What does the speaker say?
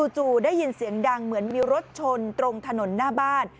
จู่ได้ยินเสียงดังเหมือนมีรถชนตรงถนนหน้าบ้าน